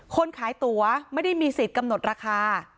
คนขายตั๋วไม่ได้มีสิทธิ์กำหนดราคา